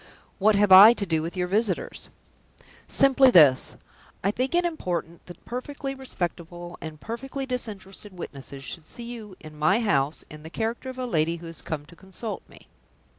"What have I to do with your visitors?" "Simply this. I think it important that perfectly respectable and perfectly disinterested witnesses should see you, in my house, in the character of a lady who has come to consult me."